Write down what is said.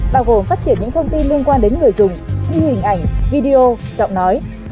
bao gồm phát triển những thông tin liên quan đến người dùng như hình ảnh video giọng nói